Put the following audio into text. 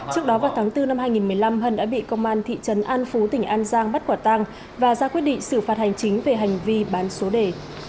trước đó vào tháng bốn năm hai nghìn một mươi năm hân đã bị công an thị trấn an phú tỉnh an giang bắt quả tăng và ra quyết định xử phạt hành chính về hành vi bán số đề